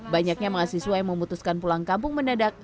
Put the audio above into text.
banyaknya mahasiswa yang memutuskan pulang kampung mendadak